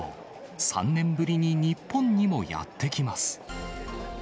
３年ぶりに日本にもやって来ます。